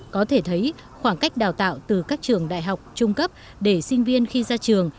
có thể thấy khoảng cách đào tạo từ các trường đại học trung cấp để sinh viên khi ra trường